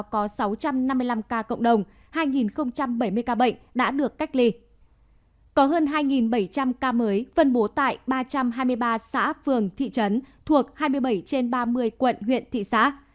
có hơn bảy trăm linh ca mới phân bố tại ba trăm hai mươi ba xã phường thị trấn thuộc hai mươi bảy trên ba mươi quận huyện thị xã